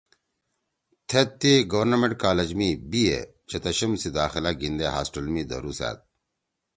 تھید تی گورنمنٹ کالج می )بی اے( چتشم سی داخلہ گھیِندے ہاسٹل می دھرُوسأد